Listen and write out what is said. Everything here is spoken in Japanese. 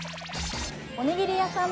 おにぎり屋さん